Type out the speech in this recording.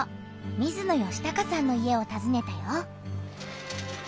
水野嘉孝さんの家をたずねたよ。